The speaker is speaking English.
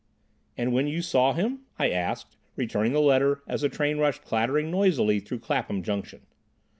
"And when you saw him—?" I asked, returning the letter as the train rushed clattering noisily through Clapham Junction.